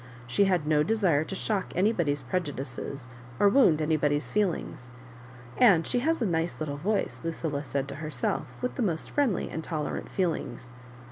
She had no desire to shock nnybody's prejudices or wound anybody's f<..V..,g3. "And she has a nice little voice." Lucilla said to herself, with the most friendly and tolerant feelings.